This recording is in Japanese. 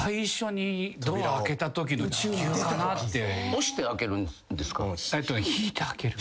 押して開けるんですか？